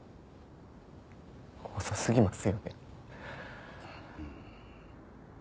遅すぎますよね。